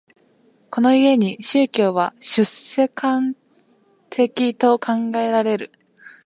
この故に宗教は出世間的と考えられる。